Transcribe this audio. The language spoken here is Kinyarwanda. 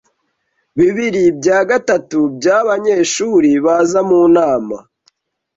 Bibiri bya gatatu byabanyeshuri baza mu nama.